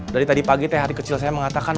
dari tadi pagi teh hari kecil saya mengatakan